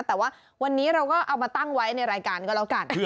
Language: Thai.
แต่ว่าวันนี้เราก็เอามาตั้งไว้ในรายการก็แล้วกัน